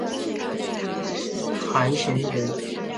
韩弘人。